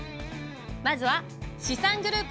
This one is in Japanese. まずは資産グループ。